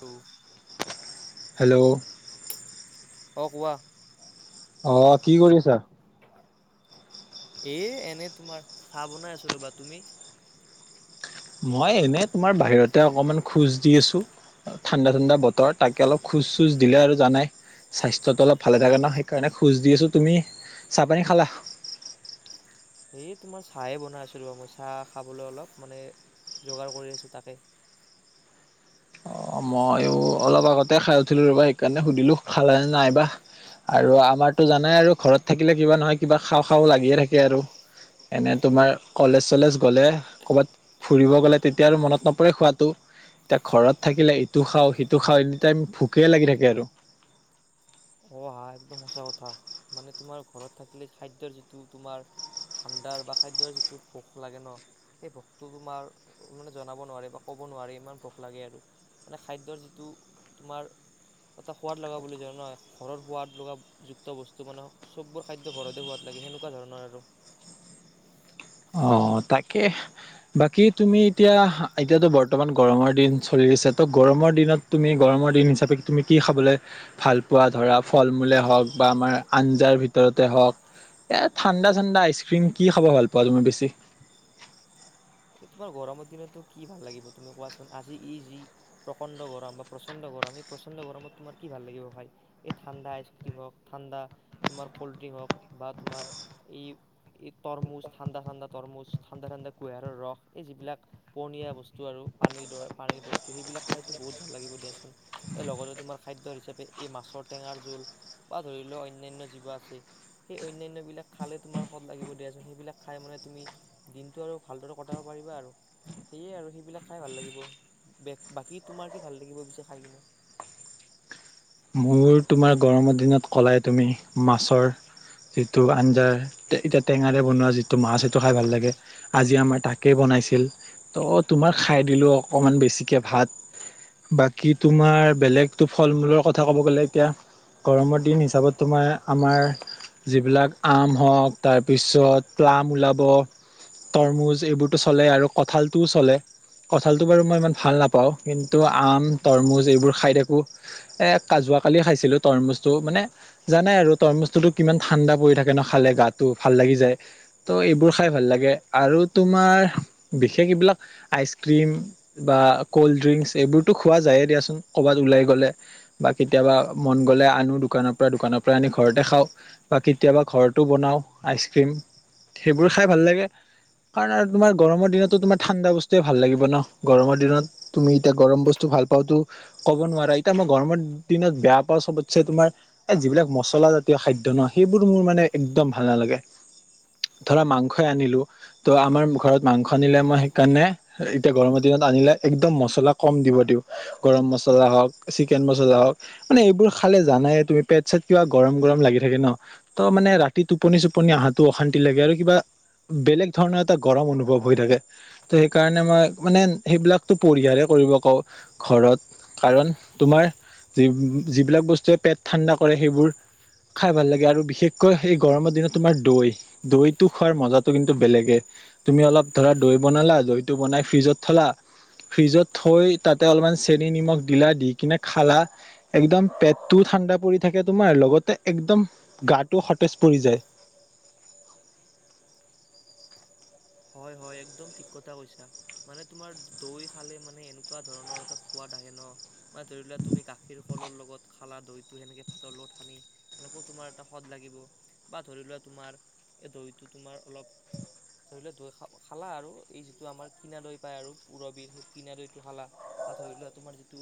ও। Hello. অ কোৱা অ কি কৰি আছা। এ এনে তোমাৰ চাহ বনাই আছো ৰবা তুমি। মই এনেই তোমাৰ বাহিৰতে অকমান খোজ দি আছো। ঠাণ্ডা ঠাণ্ডা বতৰ তাকে অলপ খোজ চোজ দিলে আৰু জানাই। স্বাস্থ্যতটো অলপ ভালে থাকে ন, সেইকাৰণে খোজ দি আছো তুমি চাহ পানী খালা? এই তোমাৰ চাহে বনাই আছিলো বাৰু মই চাহ খাবলে অলপ মানে যোগাৰ কৰি আছোঁ তাকে। অ মইও অলপ আগতে খাই উঠিলো ৰবা, সেইকাৰণে সুধিলো খালে নাইবা? আৰু আমাৰতো জানাই আৰু ঘৰত থাকিলে কিবা নহয় কিবা খাওঁ খাওঁ লাগিয়ে থাকে আৰু। এনে তোমাৰ কলেজ চলেজ গলে কৰ'বাত ফুৰিব গ'লে তেতিয়া আৰু মনত নপৰে খোৱটো এতিয়া ঘৰত থাকিলে ইটো খাও সিটো খাওঁ এনে টাইম ভোকে লাগি থাকে আৰু। অ হা একদম সঁচা কথা, মানে তোমাৰ ঘৰত থাকিলে খাদ্যয়ৰ যিটো তোমাৰ ভাণ্ডাৰ বা খাদ্যৰ যিটো ভোক লাগে ন, সেই ভোকটো তোমাৰ মানে জনাব নোৱাৰে বা ক'ব নোৱাৰে ইমান ভোক লাগে আৰু। মানে খাদ্যৰ যিটো তোমাৰ এটা সোৱাদ লগাব বুলি জ নহয় ঘৰৰ সোৱাদ লগা যুক্ত বস্তু মানে সববোৰ খাদ্য ঘৰতে হোৱাত লাগে সেনেকুৱা ধৰণৰ আৰু। [inaudible] অ তাকে। বাকী তুমি এতিয়া এতিয়াতো বৰ্তমান গৰমৰ দিন চলি আছে ত' গৰমৰ দিনত তুমি গৰম ৰ দিন হিচাপে তুমি কি খাবলে ভাল পোৱা ধৰা, ফল মূলে হওঁক বা আমাৰ আঞ্জাৰ ভিতৰত হক এ ঠাণ্ডা ঠাণ্ডা আইচ ক্ৰীম কি খাব ভাল প পোৱা তুমি বেছি? এই তোমাৰ গৰমৰ দিনতো কি ভাল লাগিব তুমি কোৱাচোন? আজি ই যি প্ৰকাণ্ড গৰম বা প্ৰচণ্ড গৰম আমি প্ৰচণ্ড গৰমত তোমাৰ কি ভাল লাগিব খাই এই ঠাণ্ড আইচ্ৰ্ৰীম হওক ঠাণ্ডা তোমাৰ কল্ড্ৰিংক হওক বা তোমাৰ এই তৰমুজ ঠাণ্ডা ঠাণ্ডা তৰমুজ ঠাণ্ডা ঠাণ্ডা কুহিযাৰৰ ৰস এই যিবিলাক পহনীয়া বস্তু আৰু পানীৰ দৰে পানীৰ বস্তু সেইবিলাক খাইতো বহুত ভাল লাগিব দিয়াচোন। এই লগতে তোমাৰ খাদ্য হিচাপে এই মাছৰ টেঙাৰ জোল বা ধৰি লও অন্যান্য জীৱা আছে। সেই অন্যন্যবিলাক খালে তোমাৰ সদ লাগিব দিয়াচোন! সেইবিলাক খাই মানে তুমি দিনটো আৰু ভালদৰে অঁ পাৰিবা আৰু। সেয়ে আৰু সেইবিলাক খাই ভাল লাগিব। বাকী তোমাৰ কি ভাল লাগিব পিছে খাই কিনে? [inaudible] মোৰ তোমাৰ গৰমৰ দিনত ক'লাই তুমি মাছৰ যিটো আঞ্জাৰ এতিয়া টেঙাৰে বনোৱা যিটো মাছ সেইটো খাই ভাল লাগে, আজি আমাৰ তাকেই বন বনাইছিল, ত তোমাক খাই দিলো অকমান বেছিকে ভাত। বাকী তোমাৰ বেলেগতো ফল মূলৰ কথা ক'ব গ'লে এতিয়া গৰমৰ দিন হিচাপত তোমাৰ আমাৰ যিবিলাক আম হওক, তাৰপিছত প্লাম ওলাব তৰমুজ এইবোৰতো চলে আৰু কঁঠালটোও চলে। কঁঠালতটো বাৰু মই ইমান ভাল নাপাওঁ, কিন্তু আম তৰমুজ এইবোৰ খাই থাকো। এ কাজুৱ কালি খাইছিলো তৰমুজটো মানে জানাই আৰু তৰমুজ টোতো কিমান ঠাণ্ডা পৰি থাকে ন খালে। গাটো ভাল লাগি যায় ত' এইবোৰ খাই ভাল লাগে। আৰু তোমাৰ বিশেষ এইবিলাক আইচ ক্ৰীম বা কল্ড ড্ৰিংকচ এইবোৰতো খোৱা যায়েই দিয়াচোন কৰ'ৰবাত ওলাই গ'লে। বা কেতিয়াবা মন গ'লে আনো দোকানৰ পৰা, দোকানৰ পৰা আনি ঘৰতে খাও বা কেতিয়াবা ঘৰতো বনাও। আইচ ক্ৰীম সেইবোৰ খাই ভাল লাগে। কাৰণ আৰু তোমাৰ গৰমৰ দিনতো তোমাৰ ঠাণ্ডা বস্তুুৱে ভাল লাগিব ন! গৰমৰ দিনত তুমি এতিয়া গৰম বস্তু ভাল পাওঁতো ক'ব নোৱাৰা এতিয়া মই গৰমত দিনত বেয়া পাওঁ সবতছে তোমাৰ এ যিবিলাক মছলা জাতীয় খাদ্য ন সেইবোৰ মোৰ মানে একদম ভাল ন নালাগে। ধৰা মাংসই আনিলো ত আমাৰ ঘৰত মাংস আনিলে মই সেইকাৰণে এতিয়া গৰম দিনত অনিলে একদম মছলা কম দিব দিওঁ, গৰম মছলা হওক, চিকেন মচ ক মানে এইবোৰ খালে জানাই তুমি পেট চট কিবা গৰম গৰম লাগি থাকে ন ত মানে ৰাতিটো টোপনি চোপনি অহাটো অশান্তি লাগে আৰু কিবা, বেলেগ ধৰণৰ এটা গৰম অনুভৱ হৈ থাকে ত সেইকাৰণে মই মানে সেইবিলাকতো পৰিয়ালে- কৰিব কওঁ। ঘৰত কাৰণ তোমাৰ যিবিলাক বস্তুৱে পেট ঠাণ্ডা কৰে সেইবোৰ- খাই ভাল লাগে। আৰু বিশেষকৈ সেই গৰমৰ দিনত তোমাৰ দৈ, দৈটো খোৱাৰ মজাটো কিন্তু বেলেগে। তুমি অলপ ধৰা দৈ বনালা, দৈটো বনাই ফ্ৰিজত থলা ফ্ৰিজত থৈ তাতে অলপমান চেনি নিমখ দিলাই দি কিনে খালা, একদম পেটটো ঠাণ্ডা পৰি থাকে তোমাৰ, লগতে একদম গাটো সতেজ কৰি যায়। [inaudible] হয় হয় একদম ঠিক কথা কৈছা। মানে তোমাৰ দৈ খালে মানে এনেকুৱা ধৰনৰ এটা সোৱাদ আহে ন মই ধৰি লোৱা তুমি গাখীৰ কলৰ লগত খালা দৈতো সেনেকে ভাতৰ লগত সানি, সেনেকও তোমাৰ এটা সদ লাগিব বা ধৰি লোৱা তোমাৰ দৈটো তোমাৰ অলপ, ধৰি লোৱা দৈ খালা আৰু, এই যিটো আমাৰ কিনা দৈ পায় আৰু পৰবধ সেই কিনা দৈটো খালা বা ধৰি ধৰি লোৱা তোমাৰ যিটো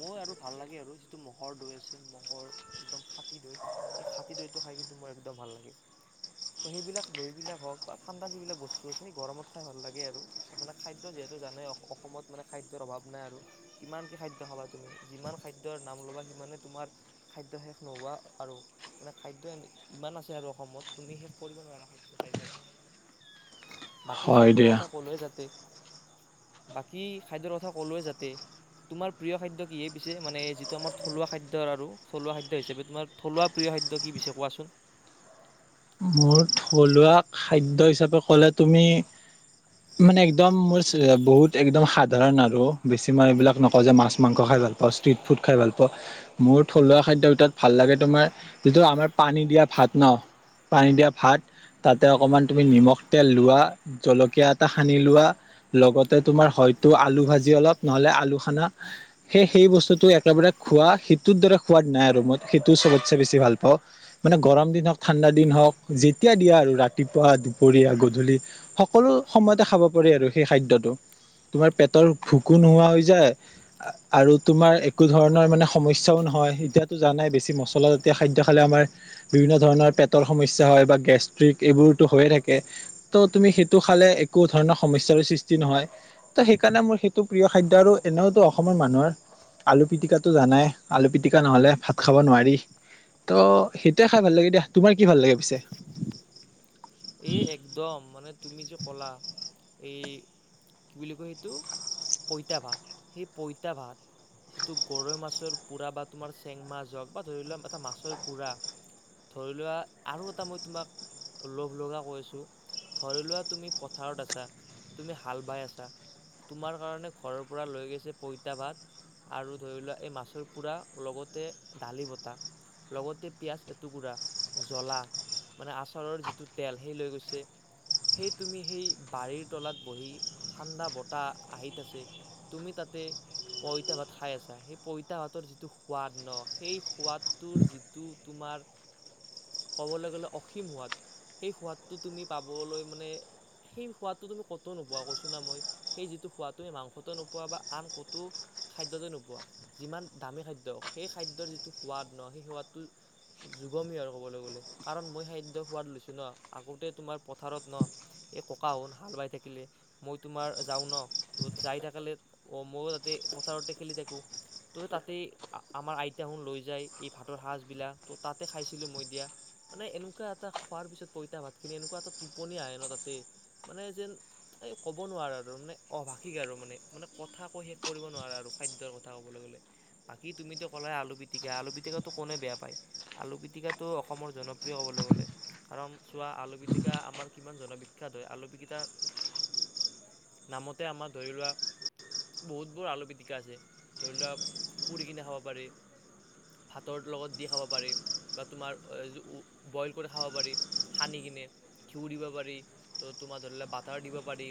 মই আৰু ভাল লাগে আৰু যিটো ম মহৰ দৈ আছে মহ'ৰ একদম খাতী দৈ, সেই খাতী দৈটো খাই- মই একদম ভাল লাগে। সেইবিলাক দৈবিলাক হক বা এটা যিবিলাক বস্তু আছে গৰমত খাই ভাল লাগে আৰু, মানে খাদ্য যিহেতু জানে অসমত মানে খাদ্যৰ অভাৱ নাই। কিমান কি খাদ্য খাবা তুমি যিমান খাদ্যৰ নাম ল'বা সিমানে তোমাৰ খাদ্য শেষ নোহোৱা। আৰু মানে খাদ্য ইমান আছে আৰু অসমত তুমি শেষ কৰিব নোৱাৰা খাদ্য খাই খাই। বাকী হয় খাদ্যৰ দিয়া কথা ক'লোৱে যাতে, বাকী খাদ্যৰ কথা ক'লোয়ে যাতে, তোমাৰ প্ৰিয় খাদ্য কিহে পিছে মানে যিটো আমাৰ থলুৱা খাদ্য আৰু থলুৱা খাদ্য হিচাপে তোমাৰ থলুৱা প্ৰিয় খাদ্য কি পিছে কোৱাচোন! মোৰ থলুৱা খাদ্য হিচাপে কলে তুমি মানে একদম মোৰ বহুত একদম সাধাৰণ আৰু বেছি মই এইবিলাক নকওঁ যে মাছ- মাংস খাই ভাল পোৱা, ষ্ট্ৰিট ফুড খাই ভাল পোৱা, মোৰ থলুৱা খাদ্যৰ ভিতৰত ভাল লাগে তোমাৰ, যিটো আমাৰ পানী দিয়া দা ভাত ন, পানী দিয়া ভাত। তাতে অকমান তুমি নিমখ, তেল লোৱা, জলকীয়া এটা সানি লোৱা লগতে তোমাৰ হয়তো আলু ভাজি অলপ নহলে আলু খালা, সেই সেই বস্তুটো একেবাৰে খোৱা, সেইটোৰ দৰে সোৱাদ নাই আৰু মই সেইটোও চবতচে বেছি ভাল পাওঁ, মানে গৰম দিন হক ঠাণ্ডা দি দিন হওক, যেতিয়া দিয়া আৰু ৰাতিপুৱা, দুপৰীয়া, গধূলি সকলো সময়তে খাব পাৰি আৰু সেই খাদ্যটো। তোমাৰ পেটৰ ভুকু নোহোৱা হৈ যায় আ আৰু তোমাৰ একো ধৰণৰ মানে সমস্যাও নহয়, এতিয়াতো জানাই বেছি মছলা জাতীয় খাদ্য খালে মাৰ বিভিন্ন ধৰণৰ পেট টৰ সমস্যা হয় বা গেছট্ৰিক এইবোৰটো হয় থাকে। ত তুমি সেইটো খালে একো ধৰনৰ সমস্যা সৃষ্টি নহয়, ত সেইকাৰণে মোৰ সেইটো প্ৰিয় খাদ্য আৰু এনেওতো অসমৰ মানুহৰ আলু পিটিকাটো জানাই, আলু পিটিকা নহলে ভাত খাব নোৱাৰি। ত' সেইটোৱে খাই ভাল লাগে দিয়া। তোমাৰ কি ভাল লাগে পিছে? এই একদম, মানে তুমি যে কলা এই কি বুলি কয় সেইটো পইতা ভাত, সেই পইতা ভাত সিটো গৰৈ মাছৰ পোৰা বা তোমাৰ চেং মাছ হক বা ধৰি লোৱা এটা মাছৰ পোৰা ধৰি লোৱা আৰু এটা মই তোমাক লগ লগা কৈছো, ধৰি লোৱা তুমি পথাৰত আছা, তুমি হাল বাই আছা তোমাৰ কাৰণে ঘৰৰ পৰা লৈ গৈছে পইতা ভাত আৰু ধৰি লোৱা এই মাছৰ পোৰা লগতে দালি বতা। লগতে পিয়াজ এটুকুৰা, জ্বলা মানে আচাৰৰ টো তেলহে লৈ গৈছে। সেই তুমি সেই বাৰীৰ তলাত বহি ঠাণ্ডা বতাহ আহিত আছে। তুমি তাতে পইতা ভাত খাই আছা, সেই পইতা ভাতৰ যিটো সোৱাদ ন সেই সোৱাদটোৰ যিটো তোমাৰ আমাৰ ক'বলৈ গলে অসীম সোৱাদ। সেই সোৱাদটো তুমি পাবলৈ মানে সেই সোৱাদটো তুমি কতো নোপোৱা কৈছো না মই, সেই যিটো সোৱাদ তুমি মাংসটো নোপোৱা বা আন কতো খাদ্যতে নোপোৱা, যিমান দামী খাদ্য সেই খাদ্যৰ যিটো সোৱাদ ন সেই সোৱাদটো যুগমীয়াৰ আৰু কবলৈ গ'লে কাৰণ মই খাদ্য সোৱাদ লৈছো। ন আগতে তোমাৰ পথাৰত ন এই ককাহুন হাল বাই থাকিলে মই তোমাৰ যাওঁ ন ত যাই থাকালে অ মইও তাতে পথাৰতে খেলি থাকো। ত' তাতে আমাৰ আইতাহুন লৈ যায় এই ভাতৰ সাজ বিলাক, ত তাতে খাইছিলো মই দিয়া। মানে এনেকুৱা এটা খোৱাৰ পিছত পইতা ভাতখিনি খোৱাৰ পিছত পইতা ভাতখিনি এনেকুৱা এটা টোপনি আহে ন তাতে, মানে যেন এই ক'ব নোৱাৰে আৰু। মানে অভাষিক আৰু মানে, মানে কথা কৈ শেষ কৰিব নোৱাৰা আৰু খাদ্যৰ কথা ক'বলৈ গলে, বাকী তুমি ত ত কলে আলু পিটিকা, আলু পিটিকাটো কোনে বেয়া পায়, আলু পিটিকাটো অসমৰ জনপ্ৰিয় ক'বলৈ গলে। কাৰণ চোৱা আলু পিটিকা আমাৰ কিমান জনবিখ্যাত হয়। আলু পিটিকাৰ নামতে আমাৰ ধৰি লোৱা বহুবোৰ আলু পিটিকা আছে, ধৰি লোৱা পুৰি কিনে খাব পাৰি ভাতৰ লগত দি খাব পাৰি বা তোমাৰ বইল কৰি খাব পাৰি। সানি কিনে, ঘিউ দিব পাৰি, ত' তোমাৰ ধৰি লোৱা বাটাৰ দিব পাৰি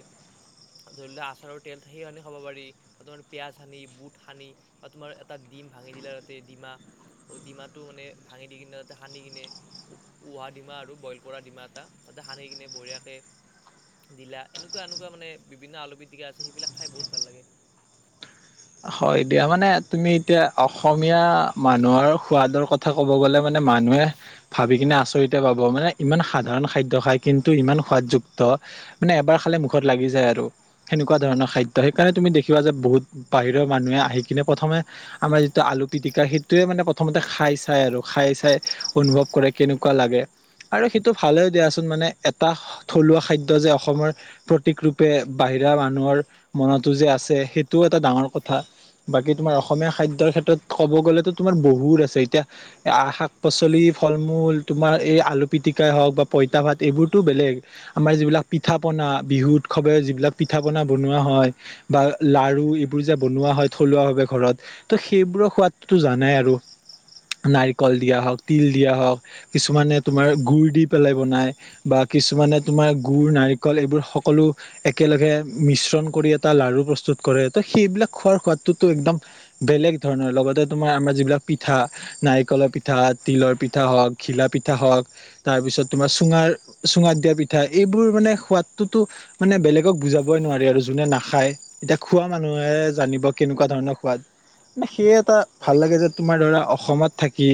ধৰি লোৱা আচাৰৰ তেল সেই সানি খাব পাৰি, তোমাৰ পিয়াজ সানি, বুট সানি বা তোমাৰ এটা ডিম ভাঙি দিলা তাতে ডিমা ডিমাটো মানে ভাঙি দি কিনে তাতে সানি কিনে, উহা ডিমা আৰু বইল কৰা ডিমা এটা, তাতে সানি কিনে বঢ়িয়াকৈ দিলা এনেকুৱা এনেকুৱা মানে বিভিন্ন আলুপিটিকা আছে সেইবিলাক খাই বহুত ভাল লাগে হয় দিয়া মানে তুমি এতিয়া অসমীয়া মানুহৰ সোৱাদৰ কথা কব গ'লে মানে মানুহে ভাবি কিনে আচৰিত পাব মানে ইমান সাধাৰণ খাদ্য খায় কিন্তু ইমান সোৱাদযুক্ত মানে এবাৰ খালে মুখত লাগি যায় আৰু সেনেকুৱা ধৰণৰ খাদ্য সেইকাৰণে তুমি দেখিবা যে বহুত বাহিৰৰ মানুহে আহি কিনে প্ৰথমে বাহিৰৰ মানুহে আহি কিনে প্ৰথমে আমাৰ যিটো আলু পিটিকা সেইটোৱে মানে প্ৰথমতে খাই চাই আৰু খাই চাই অনুভৱ কৰে কেনেকুৱা লাগে আৰু সেইটো ভালে দিয়াচোন মানে এটা থলুৱা খাদ্য যে অসমৰ প্ৰতীক ৰূপে বাহি বিৰা মানুহৰ মনতো যে আছে সেইটোও এটা ডাঙৰ কথা বাকী তোমাৰ অসমীয়া খাদ্যৰ ক্ষেত্ৰত ক'ব গ'লেতো তোমাৰ বহুত আছে এতিয়া শাক পাচলি ফল-মূল তোমাৰ এই আলু পিটিকাই হওক বা পইতা ভাত এইবোৰ ত বেলেগ আমাৰ যিবোৰ পিঠা-পনা বিহু উৎসৱে যিবিলাক পিঠা পনা বনোৱা হয় বা লাৰু বনোৱা হয় থলুৱাভাবে ঘৰত ত' সেইবোৰৰ সোৱাদতো জানাই আৰু নাৰিকল দিয়া হওঁক তিল দিয়া হওক কিছুমানে তোমাৰ গুড় দি পেলাই বনাই বা কিছুমানে তোমাৰ গুড় নাৰিকল এইবোৰ সকলো একেলগে মিশ্ৰণ কৰি এটা লাৰু প্ৰস্তুত কৰে ত সেইবিলাক খোৱাৰ সোৱাদটোতো একদম বেলেগ ধৰণৰ লগতে তোমাৰ আমাৰ যিবিলাক পিঠা নাৰ নাৰিকলৰ পিঠা তিলৰ পিঠা হওক ঘিলা পিঠা হওক তাৰ পিছত তোমাৰ চুঙাৰ চুঙা দিয়া পিঠা এইবোৰ মানে সোৱাদতটোতো মানে বেলেগক বুজাবই নোৱাৰি আৰু যোনে নাখায় এতিয়া খোৱা মানুহে জানিব কেনেকুৱা ধৰণৰ খোৱাদ মানে সেই এটা ভাল হয় লাগে যে তোমাৰ ধৰা অসমত থাকি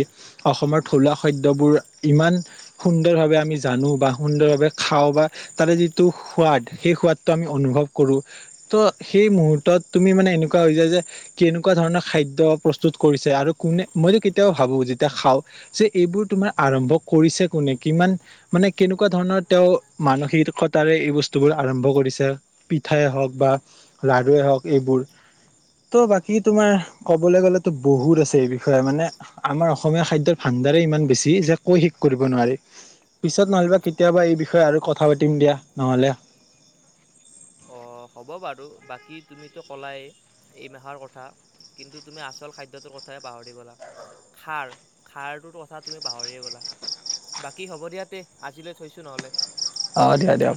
অসমৰ থলুৱা খাদ্যবোৰ ইমান সুন্দৰভাৱে আমি জানো বা সুন্দৰভাৱে খাওঁ বা তাৰে যিটো সোৱাদ সেই সোৱাদটো আমি অনুভৱ কৰো ত' সেই মুহূৰ্তত তুমি মানে এনেকুৱা হৈ যায় যে কেনেকুৱা ধৰণৰ খাদ্য প্ৰস্তুত কৰিছে আৰু কোনে মই কেতিয়াও ভাবো যেতিয়া খাওঁ যে এইবোৰ তোমাৰ আৰম্ভ কৰিছে কোনে কিমান মানে কেনেকুৱা ধৰণ ধৰণৰ তেওঁ মানসিকতাৰে এই বস্তুবোৰ আৰম্ভ কৰিছে পিঠাই হওক বা লাৰুৱে হওক এইবোৰ ত' বাকী তোমাৰ কবলৈ গ'লেতো বহুত আছে এই বিষয়ে মানে আমাৰ অসমীয়া খাদ্যৰ ভান দাৰে ইমান বেছি যে কৈ শেষ কৰিব নোৱাৰি পিছত নহ'লেবা কেতিয়াবা এই বিষয়ে আৰু কথা পাতিম দিয়া নহলে। অ হ'ব বাৰু বাকী তুমিতো কলাই এই মাহৰ কথা কিন্তু তুমি আচল খাদ্যটোৰ কথাই পাহৰি গ'লা খাৰ খাৰটোতো কচা তুমি পাহৰিয়ে গ'লা। বাকী হ'ব দিয়া তে আজিলৈ থৈছো নহ'লে? অঁ দিয়া দিয়া।